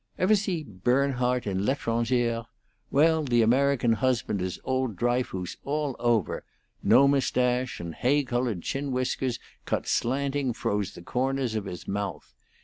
Ever see Bernhardt in 'L'Etrangere'? Well, the American husband is old Dryfoos all over; no mustache; and hay colored chin whiskers cut slanting froze the corners of his mouth.